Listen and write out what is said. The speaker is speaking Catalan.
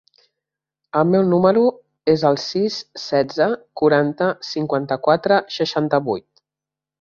El meu número es el sis, setze, quaranta, cinquanta-quatre, seixanta-vuit.